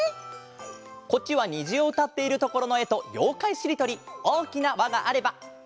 こっちは「にじ」をうたっているところのえと「ようかいしりとり」「おおきなわがあれば」。